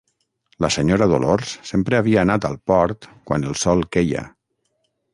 La senyora Dolors sempre havia anat al port quan el sol queia.